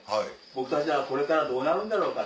「僕たちはこれからどうなるんだろうか？